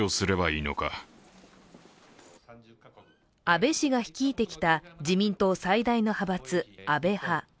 安倍氏が率いてきた自民党最大の派閥、安倍派。